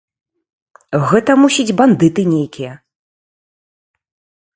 Гэта, мусіць, бандыты нейкія.